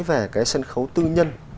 về cái sân khấu tư nhân